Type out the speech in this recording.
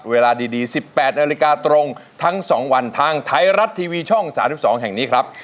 เวลาดี๑๘นาฬิกาตรงทั้ง๒วันทางไทยรัฐทีวีช่อง๓๒แห่งนี้ครับ